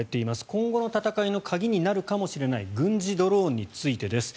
今後の戦いの鍵になるかもしれない軍事ドローンについてです。